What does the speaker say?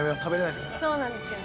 そうなんですよね。